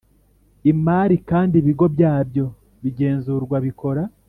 Imari kandi ibigo byabyo bigenzurwa bikora